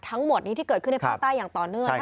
ทั้งหมดนี้ที่เกิดขึ้นในภาคใต้อย่างต่อเนื่อง